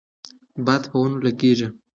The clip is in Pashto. باد په ونو کې لګیږي.